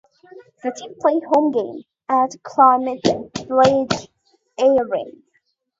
The team play home games at Climate Pledge Arena.